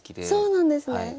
そうなんですね。